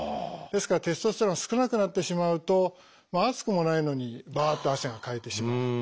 ですからテストステロン少なくなってしまうと暑くもないのにバッと汗をかいてしまう。